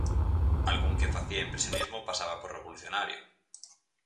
Algún que facía impresionismo pasaba por revolucionario.